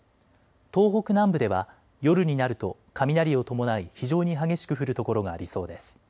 東北南部では夜になると雷を伴い非常に激しく降る所がありそうです。